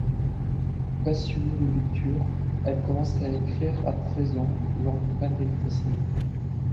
Passionnée de lecture, elle commence à écrire à treize ans, lors d’une panne d’électricité.